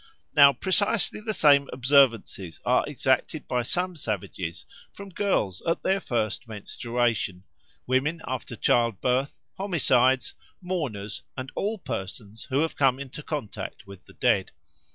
Now precisely the same observances are exacted by some savages from girls at their first menstruation, women after childbirth, homicides, mourners, and all persons who have come into contact with the dead.